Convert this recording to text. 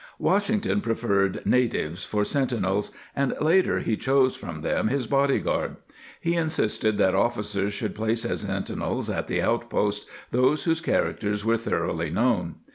* Washington preferred " natives " for sentinels, and later he chose from them his body guard.^ He insisted that officers should place as sentinels at the outposts those whose characters were thor oughly known.